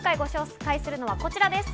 今回ご紹介するのはこちらです。